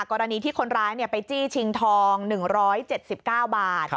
กรณีที่คนร้ายไปจี้ชิงทอง๑๗๙บาท